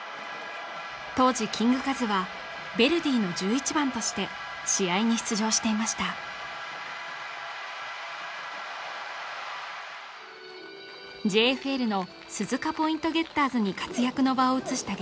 当時キングカズはヴェルディの１１番として試合に出場していましたＪＦＬの鈴鹿ポイントゲッターズに活躍の場を移した